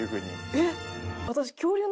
えっ！